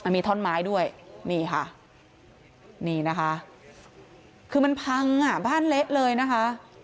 มีท่อนไม้ด้วยนี่ค่ะนี่นะคะคือมันพังอ่ะบ้านเละเลยนะคะ